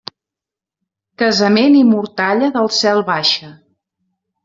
Casament i mortalla, del cel baixa.